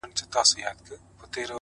o ستا له تصويره سره ـ